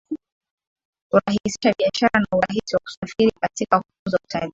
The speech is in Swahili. Kurahisha biashara na urahisi wa kusafiri katika kukuza utalii